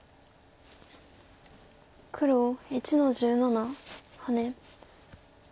黒１の十七ハネ。